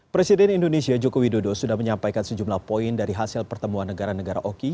presiden indonesia joko widodo sudah menyampaikan sejumlah poin dari hasil pertemuan negara negara oki